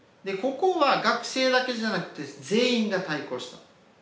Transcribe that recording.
ここは学生だけじゃなくて全員が対抗した。